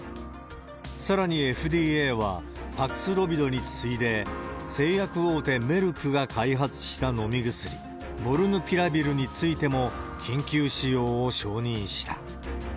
さらに、ＦＤＡは、パクスロビドに次いで、製薬大手、メルクが開発した飲み薬、モルヌピラビルについても緊急使用を承認した。